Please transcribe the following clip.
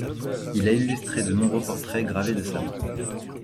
Il l'a illustré de nombreux portraits gravés de sa main.